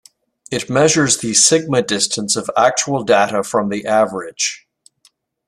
It measures the sigma distance of actual data from the average.